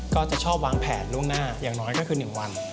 ก็จะชอบวางแผนล่วงหน้าอย่างน้อยก็คือ๑วัน